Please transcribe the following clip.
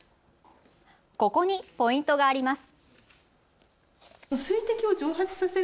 ここにポイントがあります。